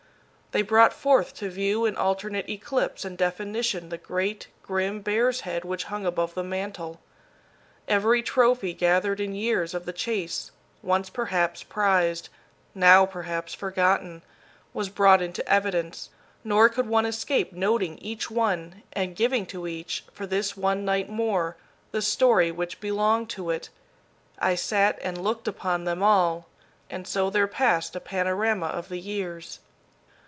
They brought forth to view in alternate eclipse and definition the great, grim bear's head which hung above the mantel. Every trophy gathered in years of the chase, once perhaps prized, now perhaps forgotten, was brought into evidence, nor could one escape noting each one, and giving to each, for this one night more, the story which belonged to it. I sat and looked upon them all, and so there passed a panorama of the years.